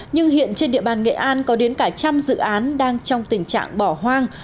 nhưng hiện trên địa bàn nghệ an có đến cả trăm dự án đang trong tình trạng bỏ hoang